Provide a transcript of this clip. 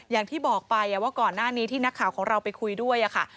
อย่างที่บอกไปว่าก่อนหน้านี้ที่นักข่าวของเราไปคุยด้วยค่ะ